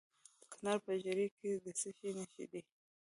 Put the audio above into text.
د کندهار په ژیړۍ کې د څه شي نښې دي؟